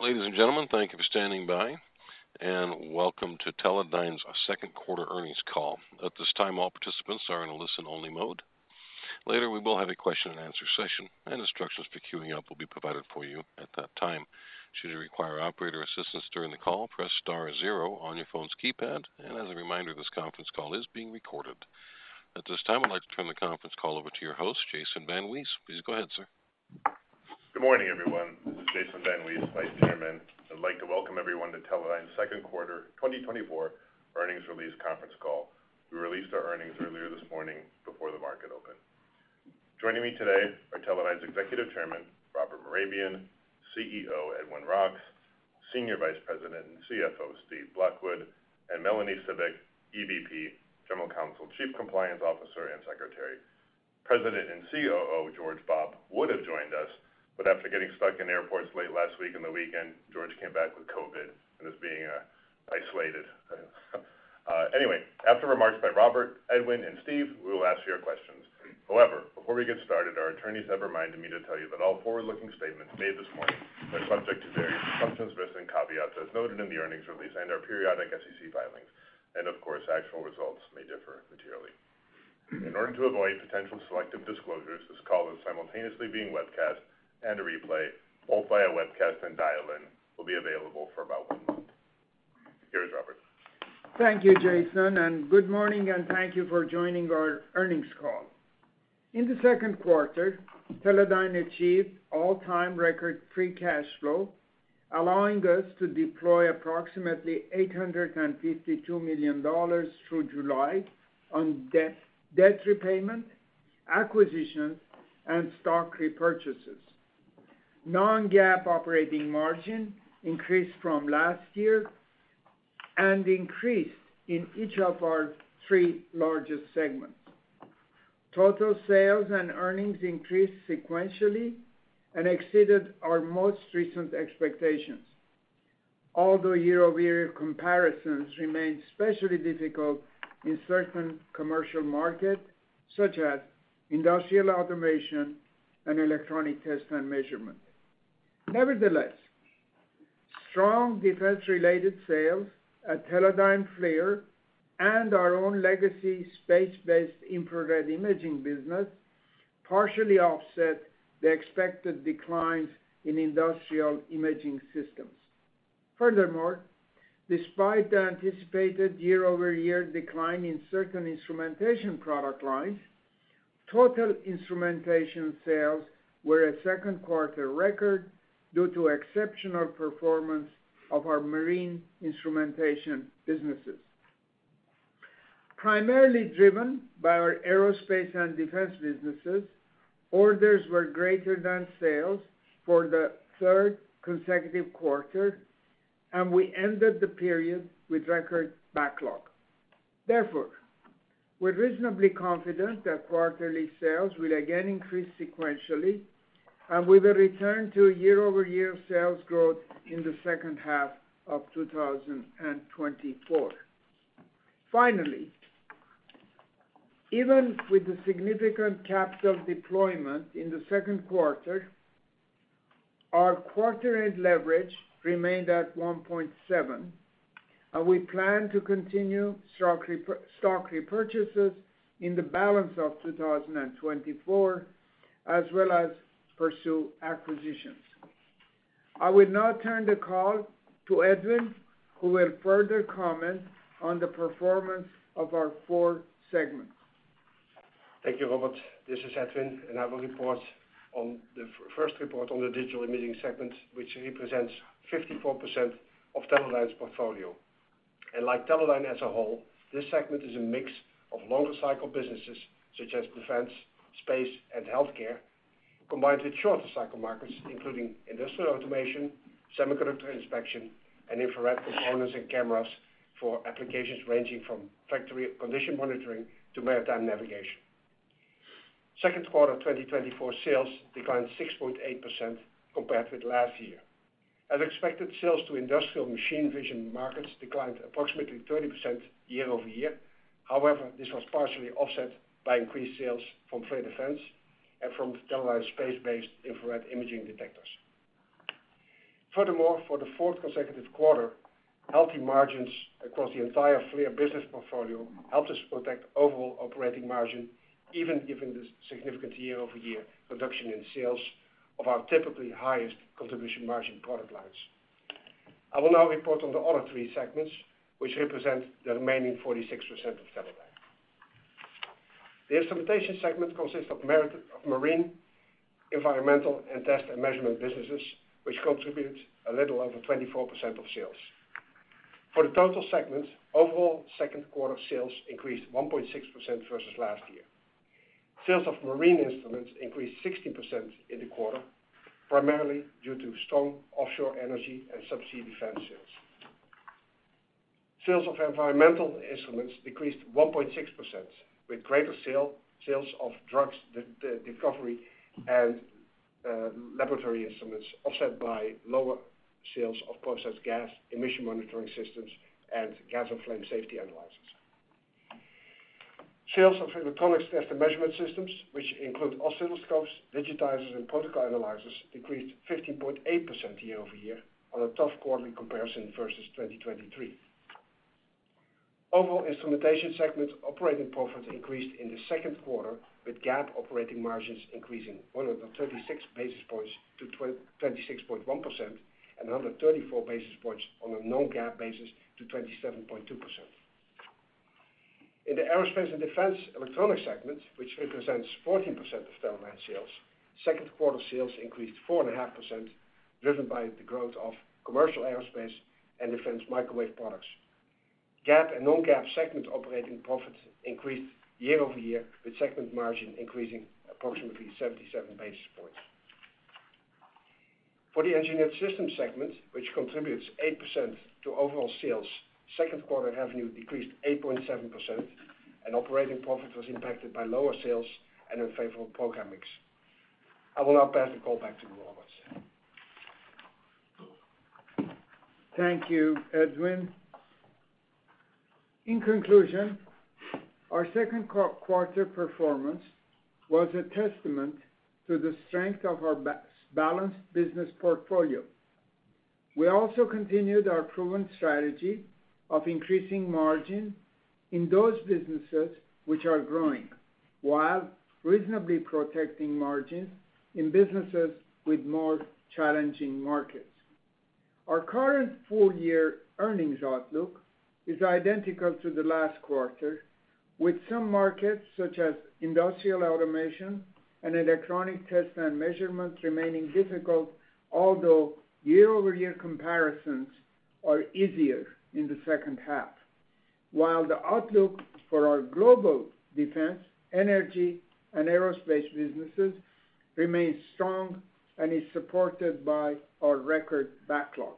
Ladies and gentlemen, thank you for standing by, and welcome to Teledyne's Q2 earnings call. At this time, all participants are in a listen-only mode. Later, we will have a Q&A session, and instructions for queuing up will be provided for you at that time. Should you require operator assistance during the call, press star zero on your phone's keypad. As a reminder, this conference call is being recorded. At this time, I'd like to turn the conference call over to your host, Jason VanWees. Please go ahead, sir. Good morning, everyone. This is Jason VanWees, Vice Chairman. I'd like to welcome everyone to Teledyne's Q2 2024 earnings release conference call. We released our earnings earlier this morning before the market opened. Joining me today are Teledyne's Executive Chairman, Robert Mehrabian, CEO Edwin Roks, Senior Vice President and CFO Steve Blackwood, and Melanie Cibik, EVP, General Counsel, Chief Compliance Officer, and Secretary. President and COO George Bobb would have joined us, but after getting stuck in airports late last week and the weekend, George came back with COVID and is being isolated. Anyway, after remarks by Robert, Edwin, and Steve, we will ask your questions. However, before we get started, our attorneys have reminded me to tell you that all forward-looking statements made this morning are subject to various assumptions, risks, and caveats as noted in the earnings release and our periodic SEC filings. Of course, actual results may differ materially. In order to avoid potential selective disclosures, this call is simultaneously being webcast and a replay, both via webcast and dial-in, will be available for about one month. Here is Robert. Thank you, Jason, and good morning, and thank you for joining our earnings call. In the Q2, Teledyne achieved all-time record free cash flow, allowing us to deploy approximately $852 million through July on debt repayment, acquisitions, and stock repurchases. Non-GAAP operating margin increased from last year and increased in each of our three largest segments. Total sales and earnings increased sequentially and exceeded our most recent expectations, although year-over-year comparisons remain especially difficult in certain commercial markets such as industrial automation and electronic test and measurement. Nevertheless, strong defense-related sales at Teledyne FLIR and our own legacy space-based infrared imaging business partially offset the expected declines in industrial imaging systems. Furthermore, despite the anticipated year-over-year decline in certain instrumentation product lines, total instrumentation sales were a Q2 record due to exceptional performance of our marine instrumentation businesses. Primarily driven by our aerospace and defense businesses, orders were greater than sales for the third consecutive quarter, and we ended the period with record backlog. Therefore, we're reasonably confident that quarterly sales will again increase sequentially, and we will return to year-over-year sales growth in the second half of 2024. Finally, even with the significant capital deployment in the Q2, our quarter-end leverage remained at 1.7, and we plan to continue stock repurchases in the balance of 2024 as well as pursue acquisitions. I will now turn the call to Edwin, who will further comment on the performance of our four segments. Thank you, Robert. This is Edwin, and I will report on the first report on the digital imaging segment, which represents 54% of Teledyne's portfolio. Like Teledyne as a whole, this segment is a mix of longer cycle businesses such as defense, space, and healthcare, combined with shorter cycle markets including industrial automation, semiconductor inspection, and infrared components and cameras for applications ranging from factory condition monitoring to maritime navigation. Q2 2024 sales declined 6.8% compared with last year. As expected, sales to industrial machine vision markets declined approximately 30% year-over-year. However, this was partially offset by increased sales from FLIR Defense and from Teledyne's space-based infrared imaging detectors. Furthermore, for the fourth consecutive quarter, healthy margins across the entire FLIR business portfolio helped us protect overall operating margin, even given the significant year-over-year reduction in sales of our typically highest contribution margin product lines. I will now report on the other three segments, which represent the remaining 46% of Teledyne. The instrumentation segment consists of marine, environmental, and test and measurement businesses, which contributes a little over 24% of sales. For the total segments, overall Q2 sales increased 1.6% versus last year. Sales of marine instruments increased 16% in the quarter, primarily due to strong offshore energy and subsea defense sales. Sales of environmental instruments decreased 1.6%, with greater sales of drug discovery and laboratory instruments offset by lower sales of processed gas emission monitoring systems and gas and flame safety analysis. Sales of electronics test and measurement systems, which include oscilloscopes, digitizers, and protocol analysis, decreased 15.8% year-over-year on a tough quarterly comparison versus 2023. Overall instrumentation segment operating profits increased in the Q2, with GAAP operating margins increasing 136 basis points to 26.1% and 134 basis points on a non-GAAP basis to 27.2%. In the aerospace and defense electronics segment, which represents 14% of Teledyne sales, Q2 sales increased 4.5%, driven by the growth of commercial aerospace and defense microwave products. GAAP and non-GAAP segment operating profits increased year-over-year, with segment margin increasing approximately 77 basis points. For the engineered systems segment, which contributes 8% to overall sales, Q2 revenue decreased 8.7%, and operating profit was impacted by lower sales and unfavorable program mix. I will now pass the call back to you, Robert. Thank you, Edwin. In conclusion, our Q2 performance was a testament to the strength of our balanced business portfolio. We also continued our proven strategy of increasing margin in those businesses which are growing, while reasonably protecting margins in businesses with more challenging markets. Our current full-year earnings outlook is identical to the last quarter, with some markets such as industrial automation and electronic test and measurement remaining difficult, although year-over-year comparisons are easier in the second half. While the outlook for our global defense, energy, and aerospace businesses remains strong and is supported by our record backlog.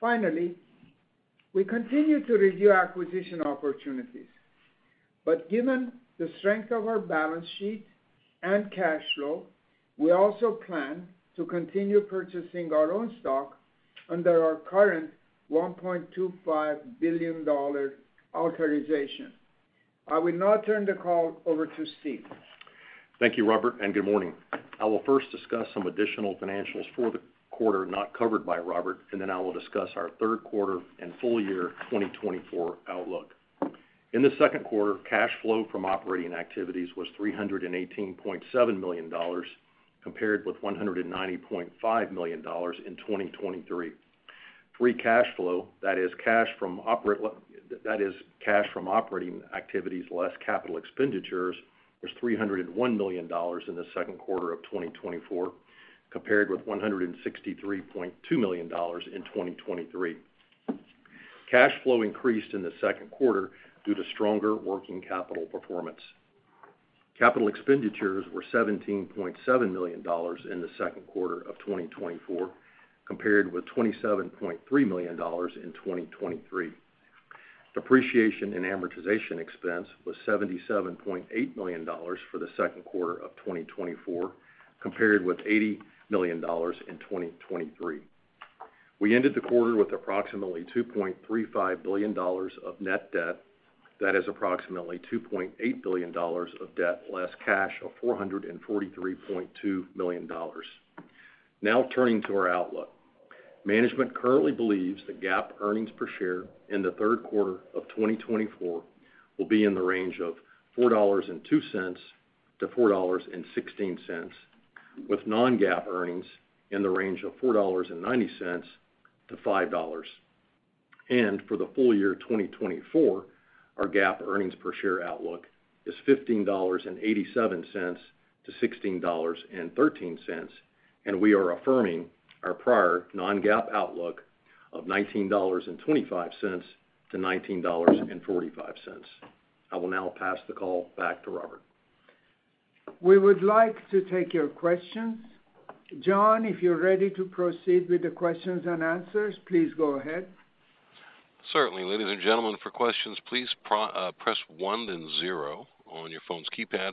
Finally, we continue to review acquisition opportunities, but given the strength of our balance sheet and cash flow, we also plan to continue purchasing our own stock under our current $1.25 billion authorization. I will now turn the call over to Steve. Thank you, Robert, and good morning. I will first discuss some additional financials for the quarter not covered by Robert, and then I will discuss our Q3 and full-year 2024 outlook. In the Q2, cash flow from operating activities was $318.7 million, compared with $190.5 million in 2023. Free cash flow, that is, cash from operating activities less capital expenditures, was $301 million in the Q2 of 2024, compared with $163.2 million in 2023. Cash flow increased in the Q2 due to stronger working capital performance. Capital expenditures were $17.7 million in the Q2 of 2024, compared with $27.3 million in 2023. Depreciation and amortization expense was $77.8 million for the Q2 of 2024, compared with $80 million in 2023. We ended the quarter with approximately $2.35 billion of net debt. That is approximately $2.8 billion of debt less cash of $443.2 million. Now turning to our outlook, management currently believes the GAAP earnings per share in the Q3 of 2024 will be in the range of $4.02 to $4.16, with non-GAAP earnings in the range of $4.90 to $5.00. For the full year 2024, our GAAP earnings per share outlook is $15.87 to $16.13, and we are affirming our prior non-GAAP outlook of $19.25 to $19.45. I will now pass the call back to Robert. We would like to take your questions. John, if you're ready to proceed with the Q&A, please go ahead. Certainly. Ladies and gentlemen, for questions, please press one then zero on your phone's keypad.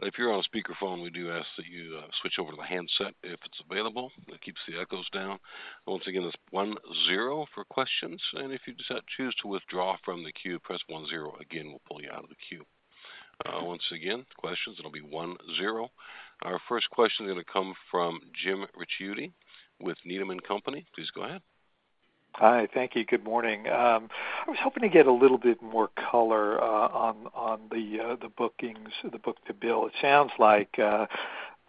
If you're on a speakerphone, we do ask that you switch over to the handset if it's available. It keeps the echoes down. Once again, that's one zero for questions. And if you choose to withdraw from the queue, press one zero. Again, we'll pull you out of the queue. Once again, questions, it'll be one zero. Our first question is going to come from Jim Ricchiuti with Needham & Company. Please go ahead. Hi, thank you. Good morning. I was hoping to get a little bit more color on the book-to-bill. It sounds like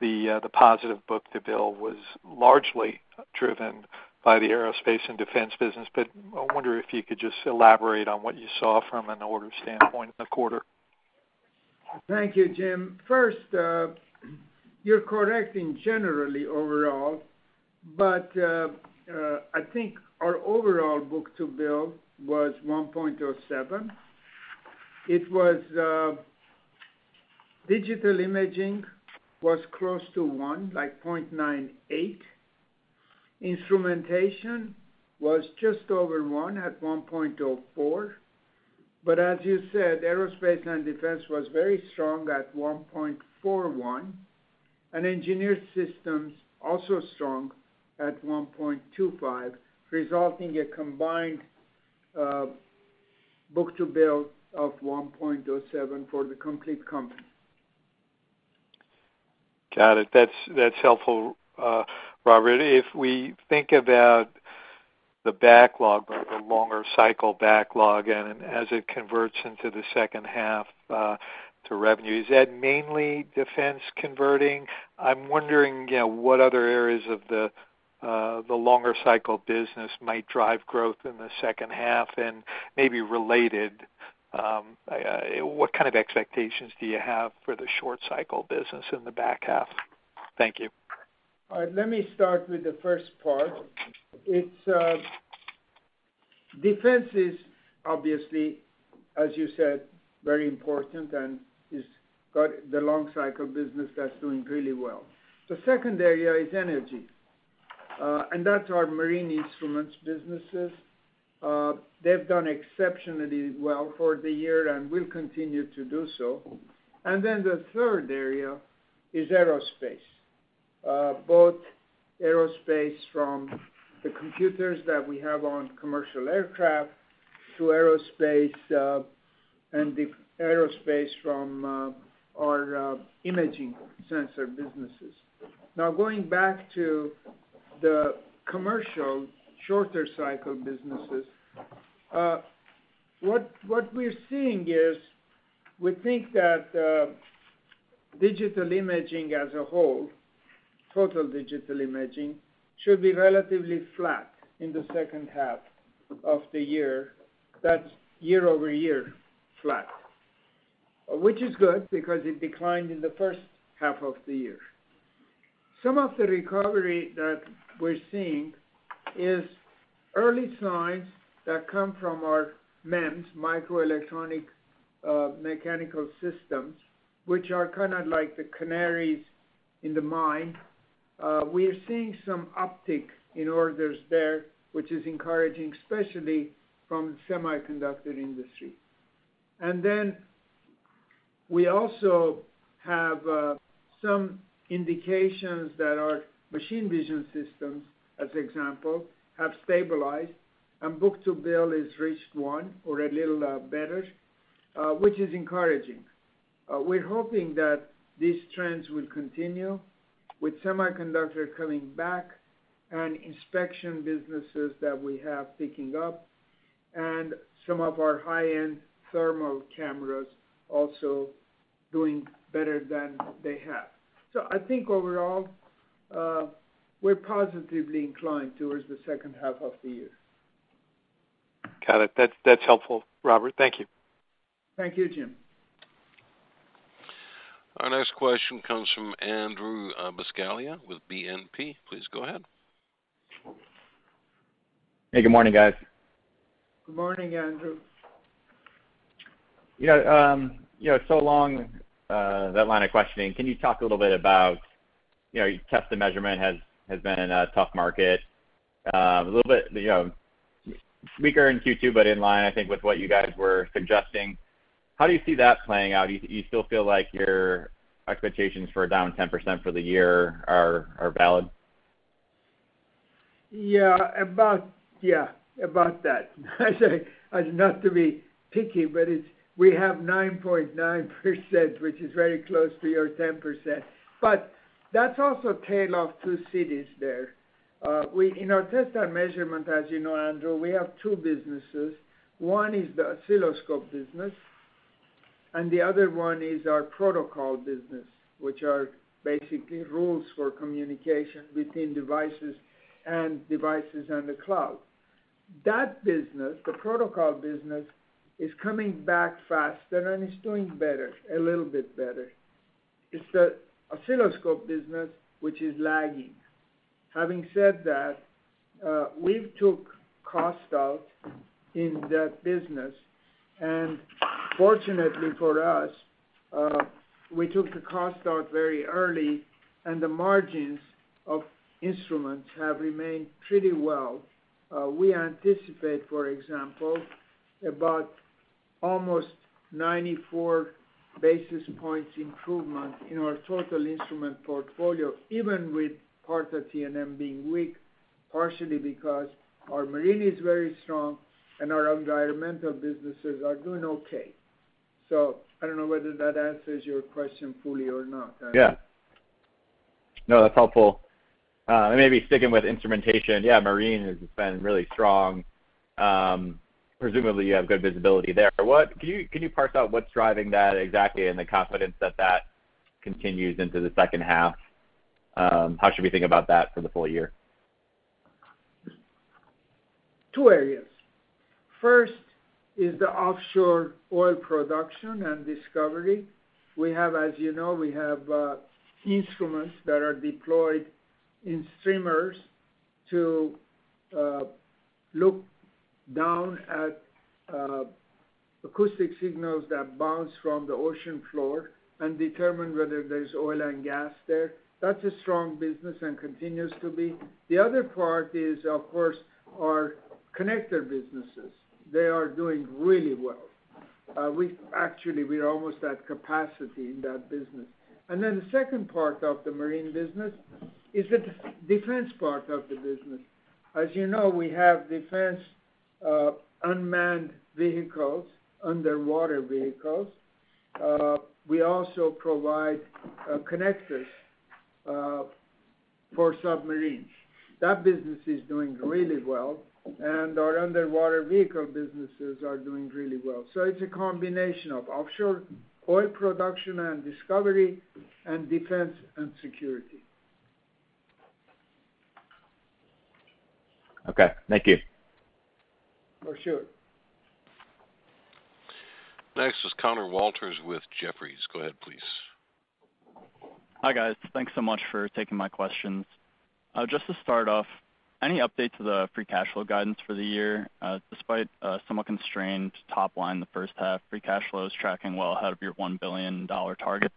the positive book-to-bill was largely driven by the aerospace and defense business, but I wonder if you could just elaborate on what you saw from an order standpoint in the quarter. Thank you, Jim. First, you're correcting generally overall, but I think our overall book-to-bill was 1.07. Digital Imaging was close to one, like 0.98. Instrumentation was just over one at 1.04. But as you said, Aerospace and Defense was very strong at 1.41, and Engineered Systems also strong at 1.25, resulting in a combined book-to-bill of 1.07 for the complete company. Got it. That's helpful, Robert. If we think about the backlog, the longer cycle backlog, and as it converts into the second half to revenue, is that mainly defense converting? I'm wondering what other areas of the longer cycle business might drive growth in the second half and maybe related. What kind of expectations do you have for the short cycle business in the back half? Thank you. All right. Let me start with the first part. Defense is, obviously, as you said, very important and is the long cycle business that's doing really well. The second area is energy, and that's our marine instruments businesses. They've done exceptionally well for the year and will continue to do so. And then the third area is aerospace, both aerospace from the computers that we have on commercial aircraft to aerospace and aerospace from our imaging sensor businesses. Now, going back to the commercial shorter cycle businesses, what we're seeing is we think that digital imaging as a whole, total digital imaging, should be relatively flat in the second half of the year. That's year-over-year flat, which is good because it declined in the first half of the year. Some of the recovery that we're seeing is early signs that come from our MEMS, Micro-Electro-Mechanical Systems, which are kind of like the canaries in the mine. We're seeing some uptick in orders there, which is encouraging, especially from the semiconductor industry. And then we also have some indications that our machine vision systems, as an example, have stabilized and book-to-bill has reached one or a little better, which is encouraging. We're hoping that these trends will continue with semiconductor coming back and inspection businesses that we have picking up and some of our high-end thermal cameras also doing better than they have. So I think overall, we're positively inclined towards the second half of the year. Got it. That's helpful, Robert. Thank you. Thank you, Jim. Our next question comes from Andrew Buscaglia with BNP. Please go ahead. Hey, good morning, guys. Good morning, Andrew. So, along that line of questioning. Can you talk a little bit about test and measurement has been a tough market, a little bit weaker in Q2, but in line, I think, with what you guys were suggesting. How do you see that playing out? Do you still feel like your expectations for down 10% for the year are valid? Yeah, about that. I say, not to be picky, but we have 9.9%, which is very close to your 10%. But that's also a tale of two cities there. In our test and measurement, as you know, Andrew, we have two businesses. One is the oscilloscope business, and the other one is our protocol business, which are basically rules for communication between devices and devices and the cloud. That business, the protocol business, is coming back faster and is doing better, a little bit better. It's the oscilloscope business, which is lagging. Having said that, we've took cost out in that business. And fortunately for us, we took the cost out very early, and the margins of instruments have remained pretty well. We anticipate, for example, about almost 94 basis points improvement in our total instrument portfolio, even with part of T&M being weak, partially because our marine is very strong and our environmental businesses are doing okay. So I don't know whether that answers your question fully or not. Yeah. No, that's helpful. And maybe sticking with instrumentation, yeah, marine has been really strong. Presumably, you have good visibility there. Can you parse out what's driving that exactly and the confidence that that continues into the second half? How should we think about that for the full year? Two areas. First is the offshore oil production and discovery. As you know, we have instruments that are deployed in streamers to look down at acoustic signals that bounce from the ocean floor and determine whether there's oil and gas there. That's a strong business and continues to be. The other part is, of course, our connector businesses. They are doing really well. Actually, we're almost at capacity in that business. And then the second part of the marine business is the defense part of the business. As you know, we have defense unmanned vehicles, underwater vehicles. We also provide connectors for submarines. That business is doing really well, and our underwater vehicle businesses are doing really well. So it's a combination of offshore oil production and discovery and defense and security. Okay. Thank you. For sure. Next is Connor Walters with Jefferies. Go ahead, please. Hi guys. Thanks so much for taking my questions. Just to start off, any updates to the free cash flow guidance for the year? Despite a somewhat constrained top line in the first half, free cash flow is tracking well ahead of your $1 billion target.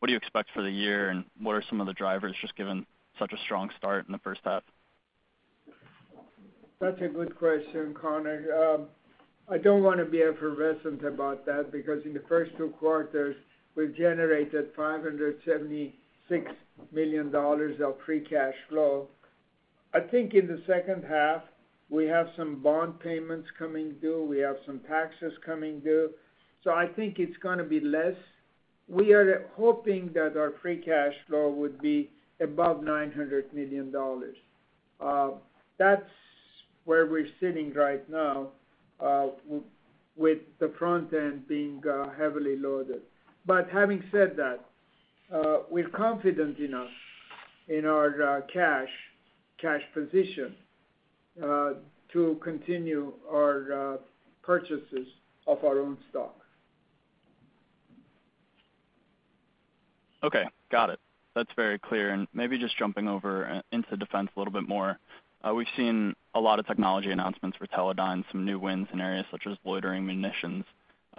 What do you expect for the year, and what are some of the drivers just given such a strong start in the first half? That's a good question, Connor. I don't want to be effusive about that because in the first two quarters, we've generated $576 million of free cash flow. I think in the second half, we have some bond payments coming due. We have some taxes coming due. So I think it's going to be less. We are hoping that our free cash flow would be above $900 million. That's where we're sitting right now with the front end being heavily loaded. But having said that, we're confident enough in our cash position to continue our purchases of our own stock. Okay. Got it. That's very clear. Maybe just jumping over into defense a little bit more. We've seen a lot of technology announcements for Teledyne, some new wins in areas such as loitering munitions.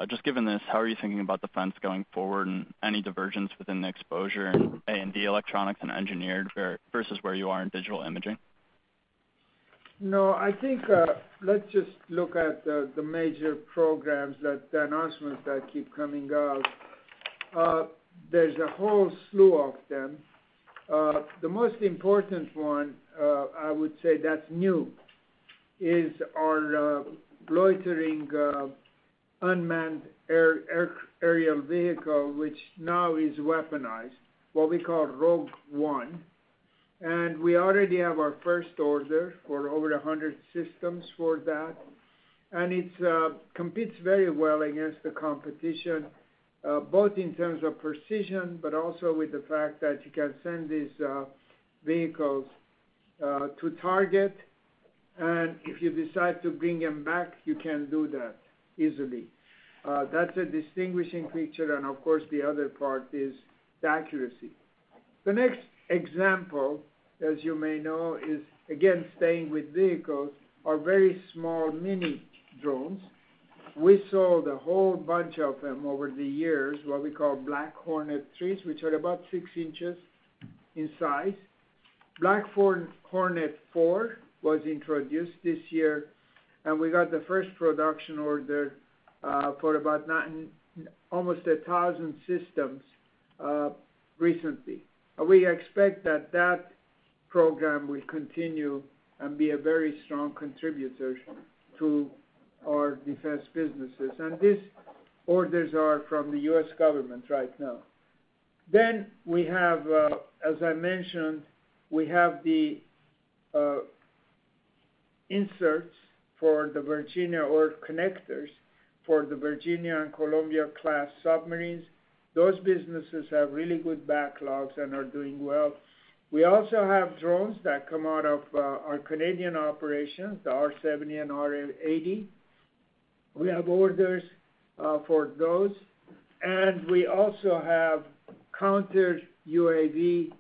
Just given this, how are you thinking about defense going forward and any divergence within the exposure in A&D electronics and engineered versus where you are in digital imaging? No, I think let's just look at the major programs, the announcements that keep coming out. There's a whole slew of them. The most important one, I would say that's new, is our loitering unmanned aerial vehicle, which now is weaponized, what we call Rogue 1. And we already have our first order for over 100 systems for that. And it competes very well against the competition, both in terms of precision, but also with the fact that you can send these vehicles to target. And if you decide to bring them back, you can do that easily. That's a distinguishing feature. And of course, the other part is the accuracy. The next example, as you may know, is, again, staying with vehicles, our very small mini drones. We saw the whole bunch of them over the years, what we call Black Hornet 3s, which are about 6 inches in size. Black Hornet 4 was introduced this year, and we got the first production order for almost 1,000 systems recently. We expect that that program will continue and be a very strong contributor to our defense businesses. And these orders are from the U.S. government right now. Then we have, as I mentioned, we have the inserts for the Virginia or connectors for the Virginia- and Columbia-class submarines. Those businesses have really good backlogs and are doing well. We also have drones that come out of our Canadian operations, the R70 and R80. We have orders for those. And we also have counter-UAV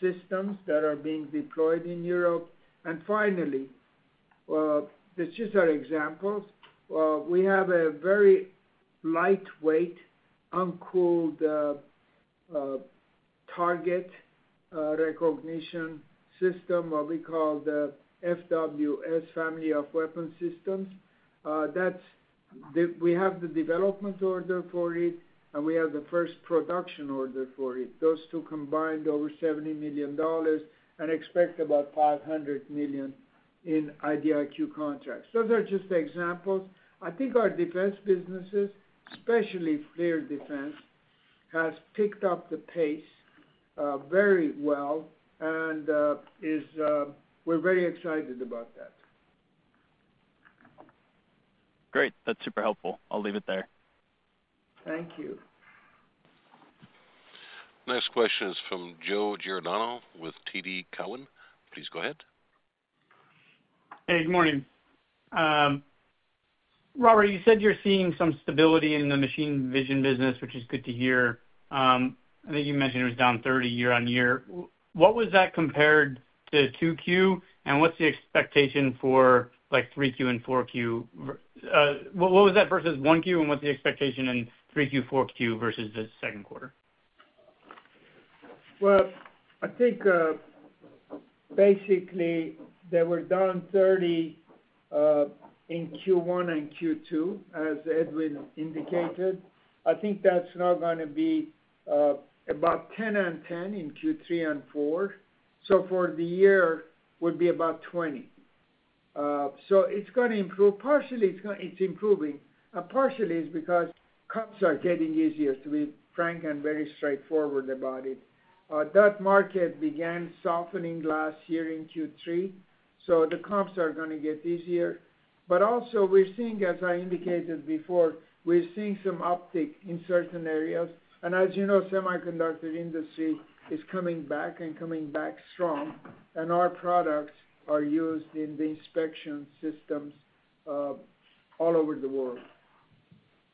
systems that are being deployed in Europe. And finally, this just are examples. We have a very lightweight, uncooled target recognition system, what we call the FWS, Family of Weapon Sights. We have the development order for it, and we have the first production order for it. Those two combined over $70 million and expect about $500 million in IDIQ contracts. Those are just examples. I think our defense businesses, especially FLIR Defense, have picked up the pace very well, and we're very excited about that. Great. That's super helpful. I'll leave it there. Thank you. Next question is from Joe Giordano with TD Cowen. Please go ahead. Hey, good morning. Robert, you said you're seeing some stability in the machine vision business, which is good to hear. I think you mentioned it was down 30% year-on-year. What was that compared to 2Q, and what's the expectation for 3Q and 4Q? What was that versus 1Q, and what's the expectation in 3Q, 4Q versus the Q2? Well, I think basically they were down 30 in Q1 and Q2, as Edwin indicated. I think that's now going to be about 10 and 10 in Q3 and Q4. So for the year, it would be about 20. So it's going to improve. Partially, it's improving. And partially is because comps are getting easier, to be frank and very straightforward about it. That market began softening last year in Q3. So the comps are going to get easier. But also, we're seeing, as I indicated before, we're seeing some uptick in certain areas. And as you know, the semiconductor industry is coming back and coming back strong. And our products are used in the inspection systems all over the world.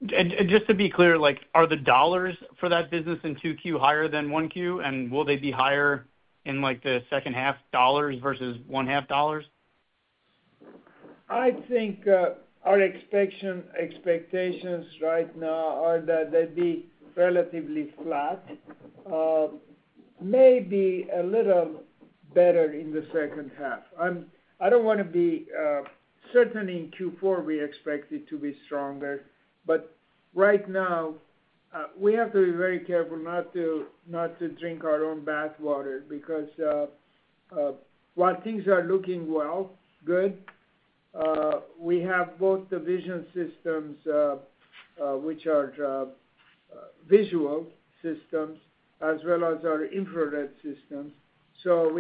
Just to be clear, are the dollars for that business in 2Q higher than 1Q? Will they be higher in the second half, dollars versus one-half dollars? I think our expectations right now are that they'll be relatively flat, maybe a little better in the second half. I don't want to be certain. In Q4 we expect it to be stronger. But right now, we have to be very careful not to drink our own bathwater because while things are looking well, good, we have both the vision systems, which are visual systems, as well as our infrared systems. So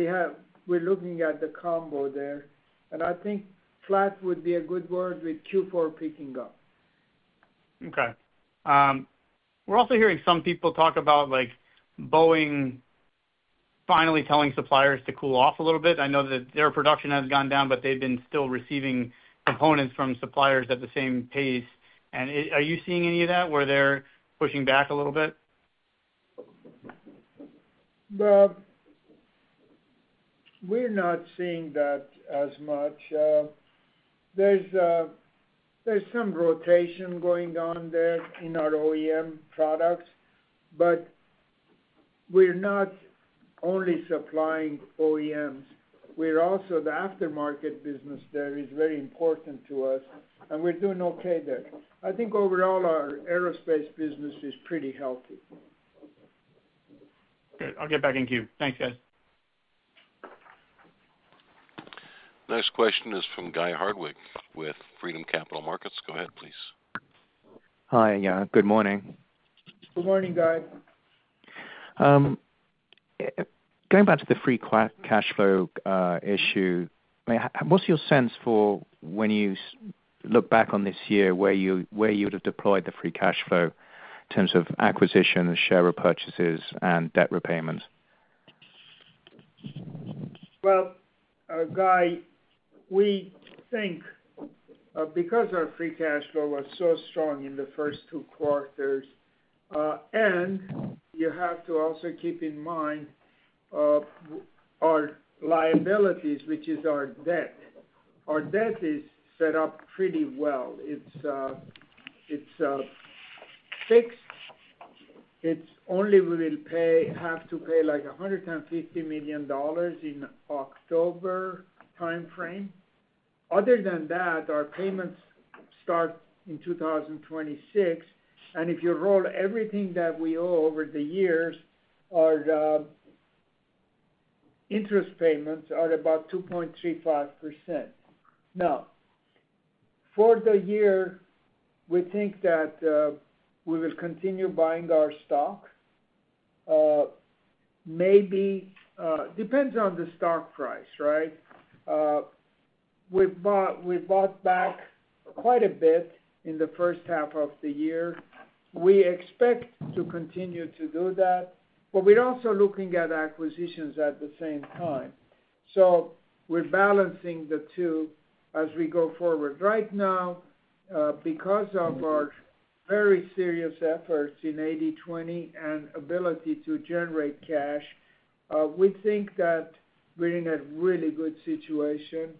we're looking at the combo there. And I think flat would be a good word with Q4 picking up. Okay. We're also hearing some people talk about Boeing finally telling suppliers to cool off a little bit. I know that their production has gone down, but they've been still receiving components from suppliers at the same pace. Are you seeing any of that where they're pushing back a little bit? We're not seeing that as much. There's some rotation going on there in our OEM products. But we're not only supplying OEMs. The aftermarket business there is very important to us. And we're doing okay there. I think overall, our aerospace business is pretty healthy. Good. I'll get back in queue. Thanks, guys. Next question is from Guy Hardwick with Freedom Capital Markets. Go ahead, please. Hi, yeah. Good morning. Good morning, Guy. Going back to the free cash flow issue, what's your sense for when you look back on this year where you would have deployed the free cash flow in terms of acquisition, share repurchases, and debt repayments? Well, Guy, we think because our free cash flow was so strong in the first two quarters, and you have to also keep in mind our liabilities, which is our debt. Our debt is set up pretty well. It's fixed. It's only we will have to pay like $150 million in October timeframe. Other than that, our payments start in 2026. And if you roll everything that we owe over the years, our interest payments are about 2.35%. Now, for the year, we think that we will continue buying our stock. Maybe it depends on the stock price, right? We bought back quite a bit in the first half of the year. We expect to continue to do that. But we're also looking at acquisitions at the same time. So we're balancing the two as we go forward. Right now, because of our very serious efforts in 80/20 and ability to generate cash, we think that we're in a really good situation.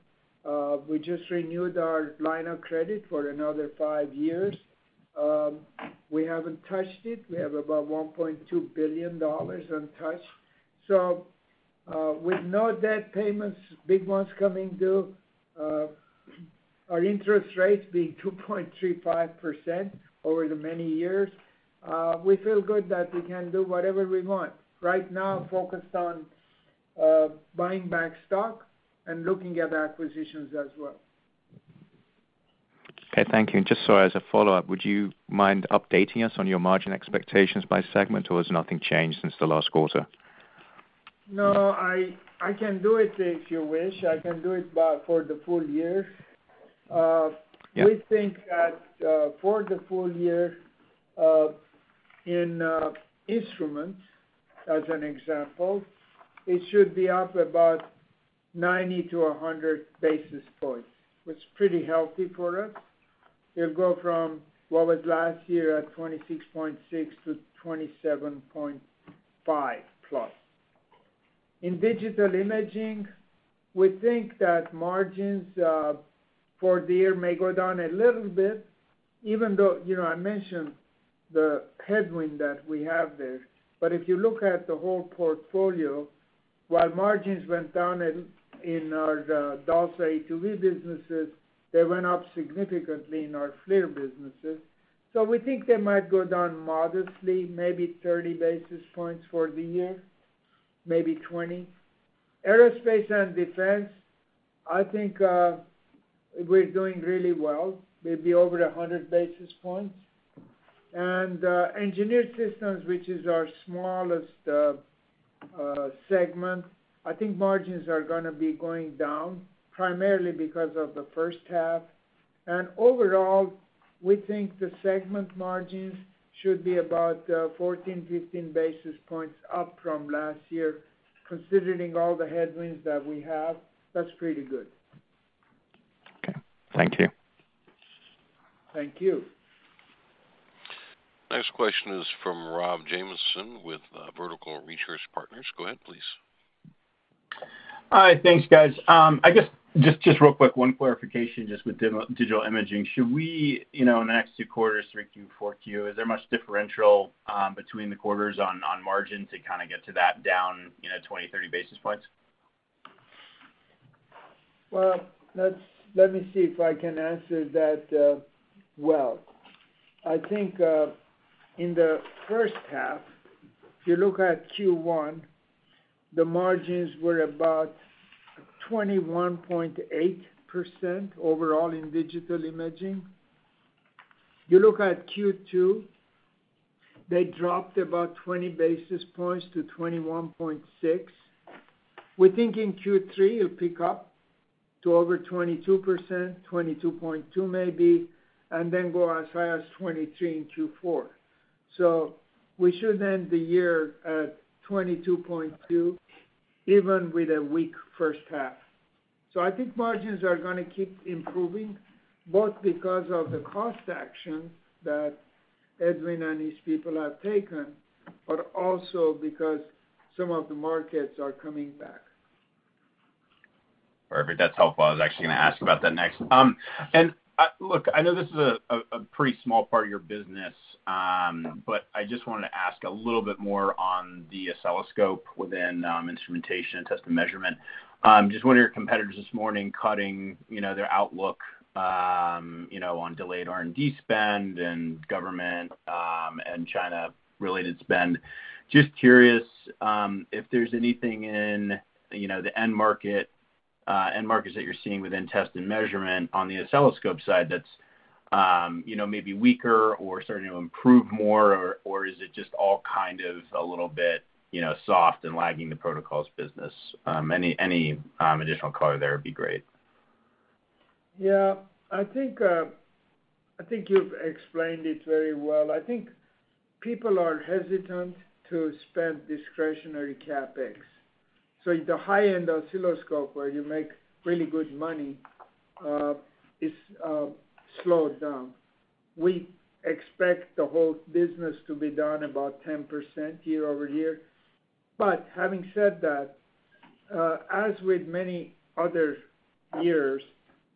We just renewed our line of credit for another 5 years. We haven't touched it. We have about $1.2 billion untouched. So with no debt payments, big ones coming due, our interest rates being 2.35% over the many years, we feel good that we can do whatever we want. Right now, focused on buying back stock and looking at acquisitions as well. Okay. Thank you. And just so as a follow-up, would you mind updating us on your margin expectations by segment, or has nothing changed since the last quarter? No, I can do it if you wish. I can do it for the full year. We think that for the full year in instruments, as an example, it should be up about 90 to 100 basis points, which is pretty healthy for us. It'll go from what was last year at 26.6 to 27.5+. In digital imaging, we think that margins for the year may go down a little bit, even though I mentioned the headwind that we have there. But if you look at the whole portfolio, while margins went down in our DALSA e2v businesses, they went up significantly in our FLIR businesses. So we think they might go down modestly, maybe 30 basis points for the year, maybe 20. Aerospace and defense, I think we're doing really well, maybe over 100 basis points. Engineered systems, which is our smallest segment, I think margins are going to be going down primarily because of the first half. Overall, we think the segment margins should be about 14 to 15 basis points up from last year. Considering all the headwinds that we have, that's pretty good. Okay. Thank you. Thank you. Next question is from Rob Jamieson with Vertical Research Partners. Go ahead, please. Hi. Thanks, guys. Just real quick, one clarification just with digital imaging. Should we in the next two quarters, 3Q, 4Q, is there much differential between the quarters on margin to kind of get to that down 20 to 30 basis points? Well, let me see if I can answer that well. I think in the first half, if you look at Q1, the margins were about 21.8% overall in digital imaging. You look at Q2, they dropped about 20 basis points to 21.6%. We think in Q3, it'll pick up to over 22%, 22.2% maybe, and then go as high as 23% in Q4. So we should end the year at 22.2%, even with a weak first half. So I think margins are going to keep improving, both because of the cost actions that Edwin and his people have taken, but also because some of the markets are coming back. Perfect. That's helpful. I was actually going to ask about that next. Look, I know this is a pretty small part of your business, but I just wanted to ask a little bit more on the oscilloscope within instrumentation and test and measurement. Just one of your competitors this morning cutting their outlook on delayed R&D spend and government and China-related spend. Just curious if there's anything in the end markets that you're seeing within test and measurement on the oscilloscope side that's maybe weaker or starting to improve more, or is it just all kind of a little bit soft and lagging the protocols business? Any additional color there would be great. Yeah. I think you've explained it very well. I think people are hesitant to spend discretionary CapEx. So the high-end oscilloscope where you make really good money is slowed down. We expect the whole business to be down about 10% year-over-year. But having said that, as with many other years,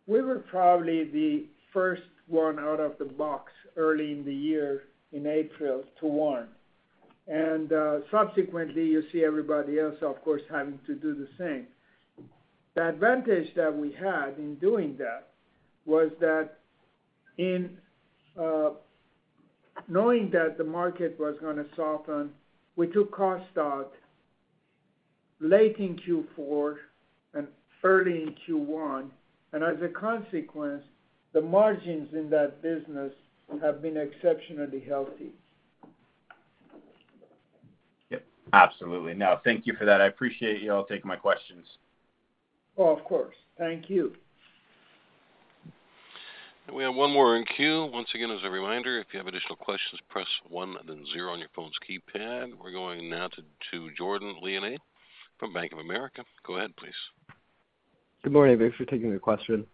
we were probably the first one out of the box early in the year in April to warn. And subsequently, you see everybody else, of course, having to do the same. The advantage that we had in doing that was that in knowing that the market was going to soften, we took cost out late in Q4 and early in Q1. And as a consequence, the margins in that business have been exceptionally healthy. Yep. Absolutely. No, thank you for that. I appreciate you all taking my questions. Oh, of course. Thank you. We have one more in queue. Once again, as a reminder, if you have additional questions, press 1 and then 0 on your phone's keypad. We're going now to Jordan Lamm from Bank of America. Go ahead, please. Good morning. Thanks for taking the question.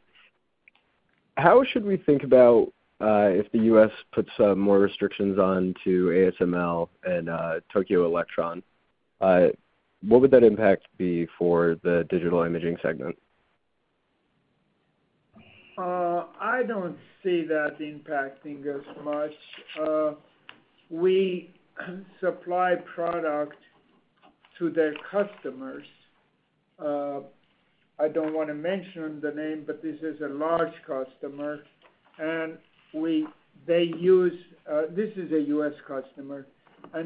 How should we think about if the US puts more restrictions onto ASML and Tokyo Electron? What would that impact be for the digital imaging segment? I don't see that impacting us much. We supply product to their customers. I don't want to mention the name, but this is a large customer. This is a U.S. customer.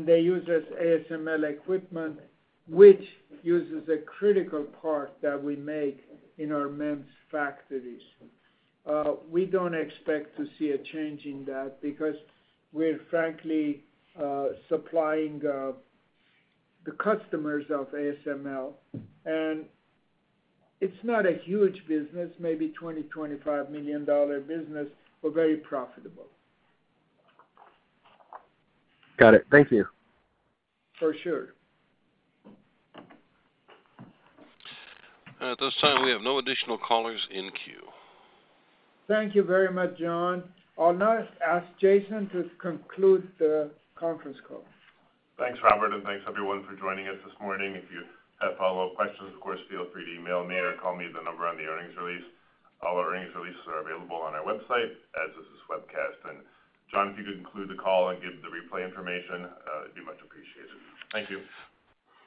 They use us as ASML equipment, which uses a critical part that we make in our MEMS factories. We don't expect to see a change in that because we're, frankly, supplying the customers of ASML. It's not a huge business, maybe $20 million to 25 million business, but very profitable. Got it. Thank you. For sure. At this time, we have no additional callers in queue. Thank you very much, John. I'll now ask Jason to conclude the conference call. Thanks, Robert. Thanks, everyone, for joining us this morning. If you have follow-up questions, of course, feel free to email me or call me at the number on the earnings release. All earnings releases are available on our website as is this webcast. John, if you could conclude the call and give the replay information, it'd be much appreciated. Thank you.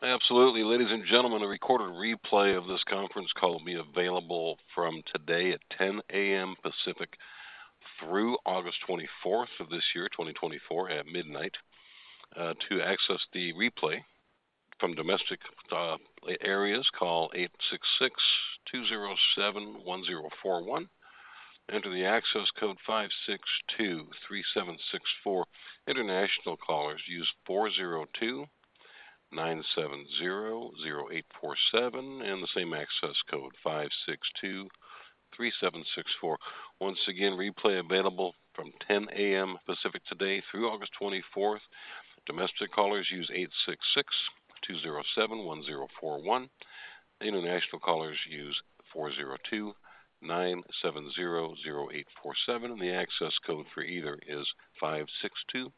Absolutely. Ladies and gentlemen, a recorded replay of this conference call will be available from today at 10:00 A.M. Pacific through August 24th of this year, 2024, at midnight. To access the replay from domestic areas, call 866-207-1041. Enter the access code 562-3764. International callers, use 402-970-0847. And the same access code, 562-3764. Once again, replay available from 10:00 A.M. Pacific today through August 24th. Domestic callers, use 866-207-1041. International callers, use 402-970-0847. And the access code for either is 562-3764.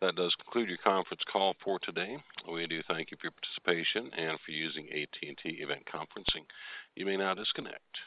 That does conclude your conference call for today. We do thank you for your participation and for using AT&T Event Conferencing. You may now disconnect.